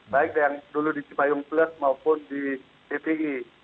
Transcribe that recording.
baik yang dulu di cipayung plus maupun di ppi